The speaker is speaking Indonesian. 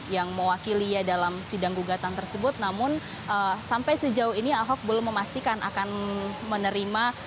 yang mewakili dalam sidang gugatan tersebut namun sampai sejauh ini ahok belum memastikan akan menerima